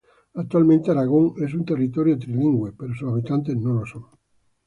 Actualmente Aragón es un territorio trilingüe, pero sus habitantes no lo son.